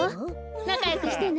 なかよくしてね。